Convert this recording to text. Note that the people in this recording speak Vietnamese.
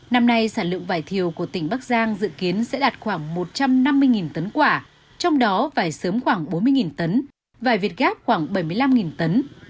năm nay sản lượng vải thiều của tỉnh bắc giang dự kiến sẽ đạt khoảng một trăm năm mươi tấn quả trong đó vải sớm khoảng bốn mươi tấn vải việt gáp khoảng bảy mươi năm tấn